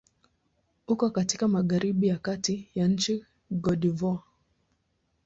Uko katika magharibi ya kati ya nchi Cote d'Ivoire.